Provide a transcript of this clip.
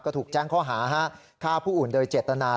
ก็ถูกแจ้งข้อหาฆ่าผู้อื่นโดยเจตนา